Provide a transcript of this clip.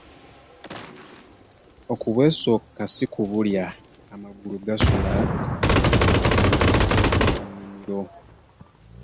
Okubwesooka si kubulya amagulu gasula mirannamiro.